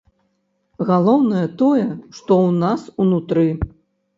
Галоўнае тое, што ў нас унутры.